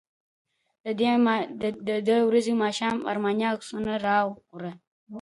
د دې ورځې په ماښام ارماني عکسونه راوړل.